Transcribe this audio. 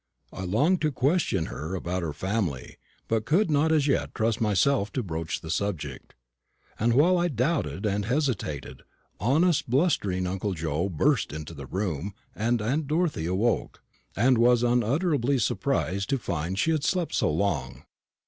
I longed to question her about her family, but could not as yet trust myself to broach the subject. And while I doubted and hesitated, honest blustering uncle Joe burst into the room, and aunt Dorothy awoke, and was unutterably surprised to find she had slept so long.